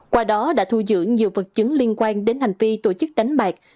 qua đó đã thu dưỡng nhiều vật chứng liên quan đến hành vi tổ chức đánh bạc